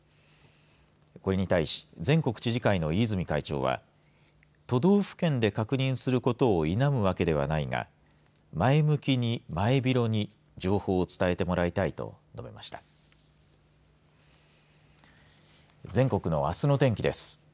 これに対し全国知事会の飯泉会長は都道府県で確認することを否むわけではないが前向きに前広に情報を伝えてもらいたいと述べました。